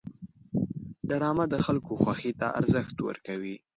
ډرامه د خلکو خوښې ته ارزښت ورکوي